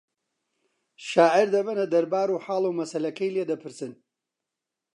شاعیر دەبەنە دەربار و حاڵ و مەسەلەکەی لێ دەپرسن